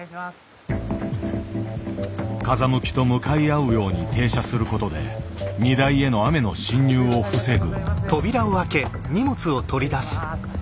風向きと向かい合うように停車することで荷台への雨の侵入を防ぐ。